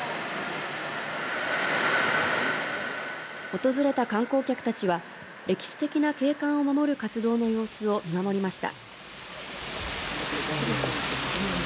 訪れた観光客たちは歴史的な景観を守る活動の様子を見守りました。